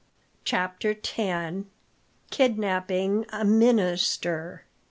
Chapter 10: Kidnapping A Minister.